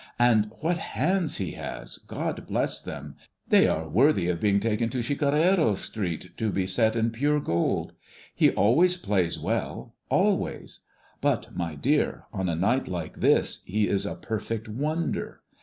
And what hands he has, God bless them! They are worthy of being taken to Chicarreros Street to be set in pure gold. He always plays well, always; but, my dear, on a night like this he is a perfect wonder.